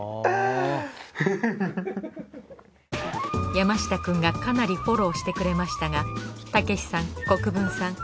山下くんがかなりフォローしてくれましたがたけしさん国分さん